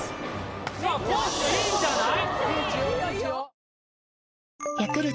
さあコースいいんじゃない？